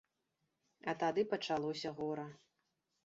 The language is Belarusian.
А тады пачалося гора.